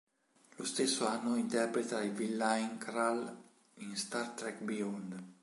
Lo stesso anno interpreta il villain Krall in "Star Trek Beyond".